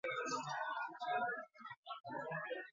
Bizitasuna da arkitekto horien guztien ezaugarrietako bat.